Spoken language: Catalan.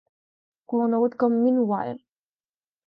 Conegut com "Mean While!"